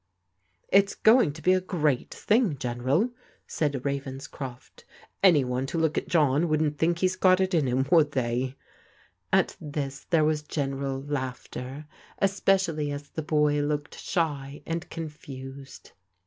" It's going to be a great thing. General," said Ravens croft. "Any one to look at John wouldn't think he's got it in him, would they?" oi^ PRODIGAL DAUGHTERS At this there was general laughter, especially as boy looked shy and confused.